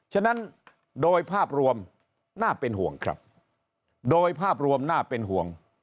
ฉะนั้นโดยภาพรวมน่าเป็นห่วงครับโดยภาพรวมน่าเป็นห่วง